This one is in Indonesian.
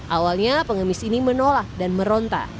awalnya pengemis ini menolak dan meronta